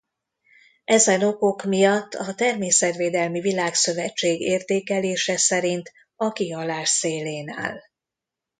Ezen okok miatt a Természetvédelmi Világszövetség értékelése szerint a kihalás szélén áll.